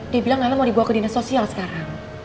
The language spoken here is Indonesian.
dia bilang nana mau dibawa ke dinas sosial sekarang